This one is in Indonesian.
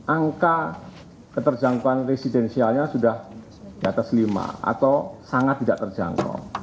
angka keterjangkauan residensialnya sudah di atas lima atau sangat tidak terjangkau